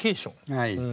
はい。